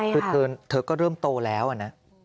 คือเธอก็เริ่มโตแล้วนะ